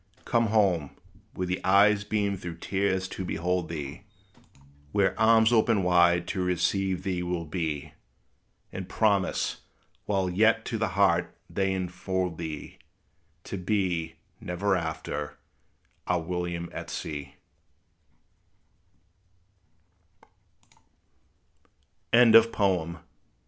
Come home, where the eyes beam through tears to behold thee; Where arms open wide to receive thee will be; And promise, while yet to the heart they infold thee To be, never after, our William at sea!